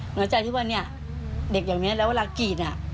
เหนือใจที่ว่าเนี้ยเด็กอย่างเนี้ยแล้วเวลากีดอ่ะ